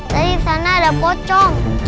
tadi di sana ada pocong